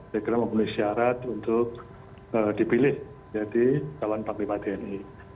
dia kira memiliki syarat untuk dipilih jadi calon empat puluh lima dni